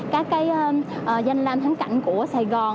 các cái danh lam thắng cảnh của sài gòn